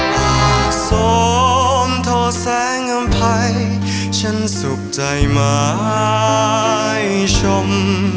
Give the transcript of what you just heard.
หากสมโทแสงอำภัยฉันสุขใจหมายชม